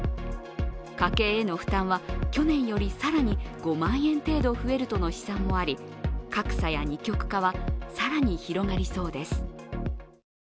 家計への負担は去年より更に５万円程度増えるとの試算もあり格差や二極化は更に広がりそうです。